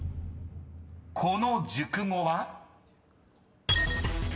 ［この熟語は？］